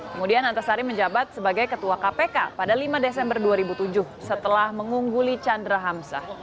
kemudian antasari menjabat sebagai ketua kpk pada lima desember dua ribu tujuh setelah mengungguli chandra hamzah